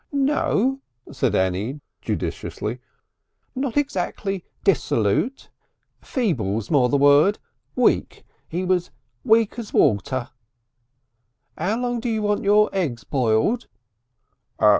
"No," said Annie judiciously; "not exactly dissolute. Feeble's more the word. Weak, 'E was. Weak as water. 'Ow long do you like your eggs boiled?"